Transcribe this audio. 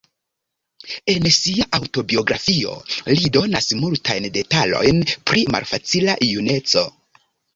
En sia aŭtobiografio, li donas multajn detalojn pri malfacila juneco.